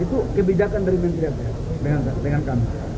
itu kebijakan dari menteri dengan kami